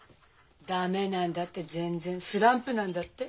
ダメなんだって全然スランプなんだって。